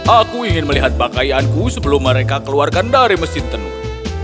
aku ingin melihat pakaianku sebelum mereka keluarkan dari mesin tenun